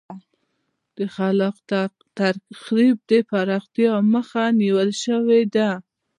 د خلاق تخریب د پراختیا مخه نیول شوې ده.